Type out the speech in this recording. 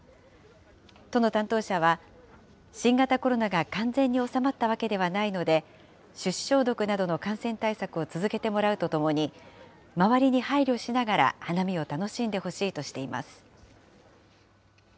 都の担当者は、新型コロナが完全に収まったわけではないので、手指消毒などの感染対策を続けてもらうとともに、周りに配慮しながら、花見を楽しんでほしいとしています。